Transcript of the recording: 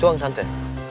itu uang tante